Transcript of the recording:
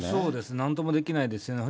なんともできないですよね。